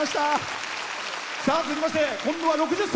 続きまして今度は６０歳。